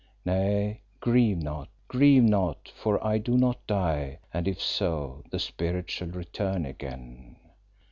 Nay, grieve not, grieve not, for I do not die and if so, the spirit shall return again.